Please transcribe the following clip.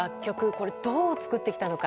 これ、どう作ってきたのか。